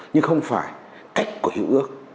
nhưng không phải cách của hiệu ước